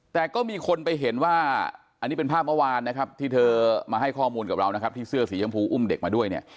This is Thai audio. แต่ก็มีคนไปเห็นว่าอันนี้เป็นภาพเมื่อวานนะครับที่เธอมาให้ข้อมูลกับเรานะครับที่เสื้อสีชมพูอุ้มเด็กมาด้วยเนี่ย